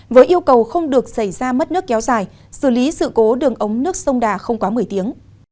với yêu cầu không được xảy ra mất nước kéo dài xử lý sự cố đường ống nước sông đà không quá một mươi tiếng